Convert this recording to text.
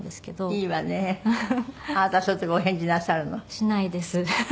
しないです。